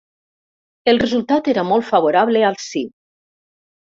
El resultat era molt favorable al sí.